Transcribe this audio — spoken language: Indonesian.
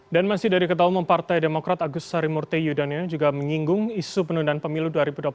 dan masih dari ketahuan mempartai demokrat agus sarimurte yudhanyo juga menyinggung isu penundaan pemilu dua ribu dua puluh empat